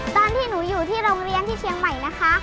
ตอนที่หนูอยู่ที่โรงเรียนที่เชียงใหม่นะคะ